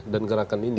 dan gerakan ini